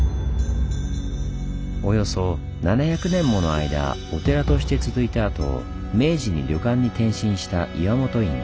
およそ７００年もの間お寺として続いたあと明治に旅館に転身した岩本院。